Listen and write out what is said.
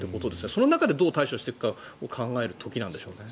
その中で、どう対処していくかを考える時なんでしょうね。